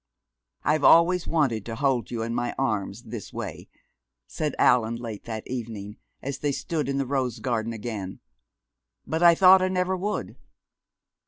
"I've always wanted to hold you in my arms, this way," said Allan late that evening, as they stood in the rose garden again; "but I thought I never would....